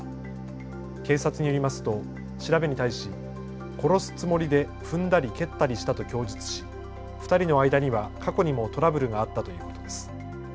警察によりますと調べに対し殺すつもりで踏んだり蹴ったりしたと供述し２人の間には過去にもトラブルがあったということです。